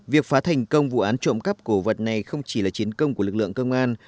việc phá thành công vụ án trộm cắp cổ vật này không chỉ là chiến công của lực lượng công an